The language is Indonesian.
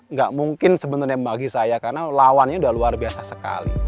nggak mungkin sebenarnya bagi saya karena lawannya udah luar biasa sekali